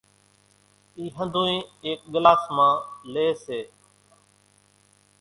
اِي ۿنڌونئين ايڪ ڳلاس مان لي سي،